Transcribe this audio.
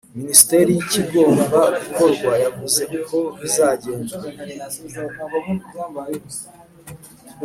Minisiteri y ikigomba gukorwa yavuze uko bizagenda